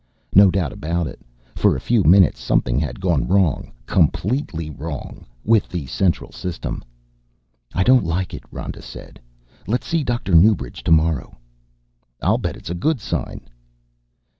No doubt about it for a few minutes something had gone wrong, completely wrong, with the Central System. "I don't like it," Rhoda said. "Let's see Dr. Newbridge tomorrow." "I'll bet it's a good sign."